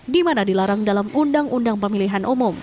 di mana dilarang dalam undang undang pemilihan umum